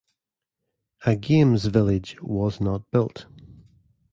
A games village was not built.